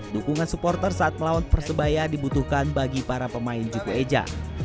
dukungan supporter saat melawan persebaya dibutuhkan bagi para pemain juku eja